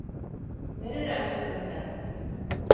Nereden çıktın sen?